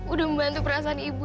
udah membantu perasaan ibu